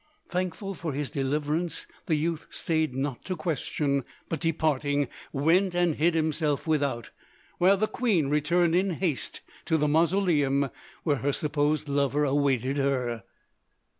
Thankful for his deliverance the youth stayed not to question, but departing went and hid himself without, while the queen returned in haste to the mausoleum where her supposed lover awaited her.